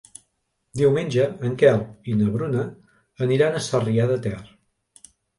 Diumenge en Quel i na Bruna aniran a Sarrià de Ter.